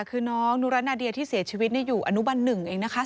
คือน้องนุรนาเดียที่เสียชีวิตอย่างอยู่อนุบันหนึ่งเองนะครับ